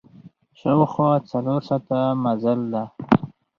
شاوخوا څلور ساعته مزل ده.